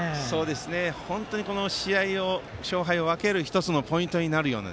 本当に試合の勝敗を分けるポイントになるような